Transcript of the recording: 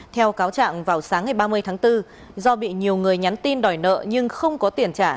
theo cáo trạng vào sáng ngày ba mươi tháng bốn do bị nhiều người nhắn tin đòi nợ nhưng không có tiền trả